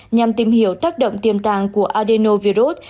nhằm tìm hiểu tác động tiềm tàng của adenovirus